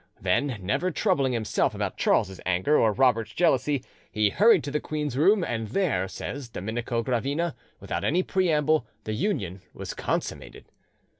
Then, never troubling himself about Charles's anger or Robert's jealousy, he hurried to the queen's room, and there, says Domenico Gravina, without any preamble, the union was consummated.